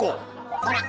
ほら！